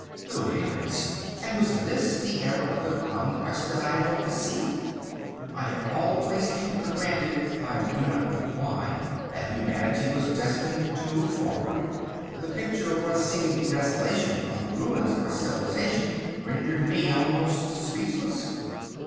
Good heavens! And was this the era of the Conquest that I had hoped to see! I had always taken for granted, I do not know why, that humanity was destined to move forward. This picture of what seemed desolation on the ruins of our civilisation rendered me almost speechless.